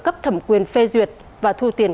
cấp thẩm quyền phê duyệt và thu tiền